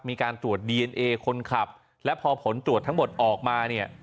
มีการตรวจดีเอนเอคนขับและพอผลตรวจทั้งหมดออกมาเนี่ย